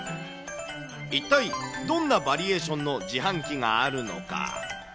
一体どんなバリエーションの自販機があるのか。